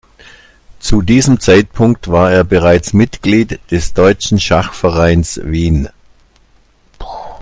Zu diesem Zeitpunkt war er bereits Mitglied des "Deutschen Schachvereins Wien".